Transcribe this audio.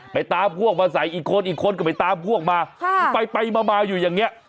ไปตามพวกมาใส่อีกคนอีกคนก็ไปตามพวกมาไปมามาอยู่อย่างเงี้ย